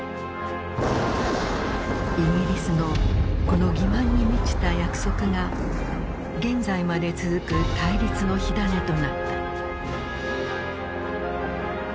イギリスのこの欺瞞に満ちた約束が現在まで続く対立の火種となった。